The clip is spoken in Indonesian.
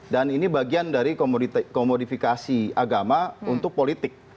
ini bagian dari komodifikasi agama untuk politik